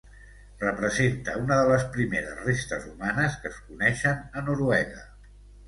Representa una de les primers restes humanes que es coneixen a Noruega.